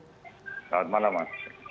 selamat malam mas